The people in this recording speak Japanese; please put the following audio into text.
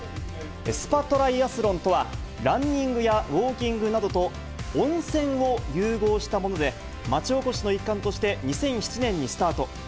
スパトライアスロンとは、ランニングやウォーキングなどと、温泉を融合したもので、町おこしの一環として２００７年にスタート。